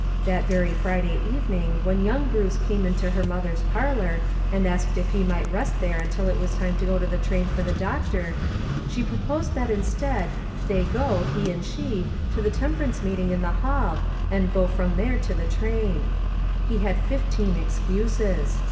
That very Friday evening when young Bruce came into her mother's parlor, and asked if lie might rest there until it was time to go to the train for the doctor, she proposed that instead, they go, he and she, to the temperance meeting in the hall, and go from there to the train. He had fifteen excuses.